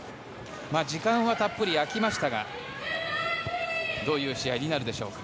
時間はたっぷり空きましたがどういう試合になるでしょうか。